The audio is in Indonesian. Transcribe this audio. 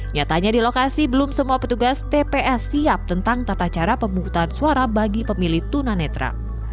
nyatanya di lokasi belum semua petugas tps siap tentang tata cara pemungutan suara bagi pemilih tuna netra